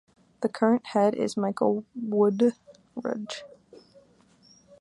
The current head is Michael Wooldridge.